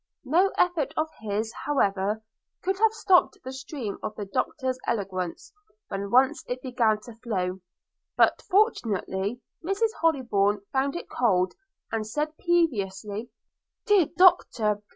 – No effort of his, however, could have stopped the stream of the Doctor's eloquence, when once it began to flow; but fortunately Mrs Hollybourn found it cold, and said peevishly, 'Dear Doctor!